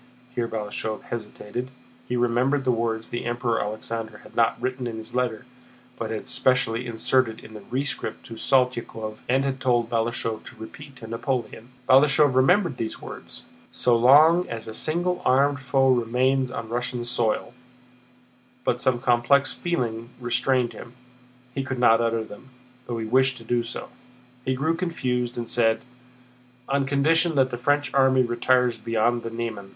Here Balashëv hesitated: he remembered the words the Emperor Alexander had not written in his letter, but had specially inserted in the rescript to Saltykóv and had told Balashëv to repeat to Napoleon. Balashëv remembered these words, "So long as a single armed foe remains on Russian soil," but some complex feeling restrained him. He could not utter them, though he wished to do so. He grew confused and said: "On condition that the French army retires beyond the Niemen."